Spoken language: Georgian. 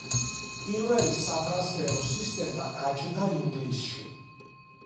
პირველი სატრანსფერო სისტემა გაჩნდა ინგლისში.